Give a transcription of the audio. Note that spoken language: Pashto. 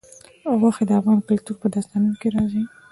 غوښې د افغان کلتور په داستانونو کې راځي.